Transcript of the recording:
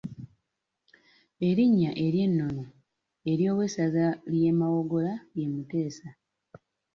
Erinnya ery’ennono ery’owessaza ly’e Mawogola ye Muteesa.